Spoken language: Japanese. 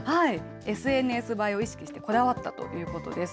ＳＮＳ映えを意識してこだわったということです。